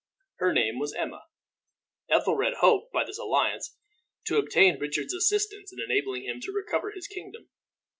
Her name was Emma. Ethelred hoped by this alliance to obtain Richard's assistance in enabling him to recover his kingdom.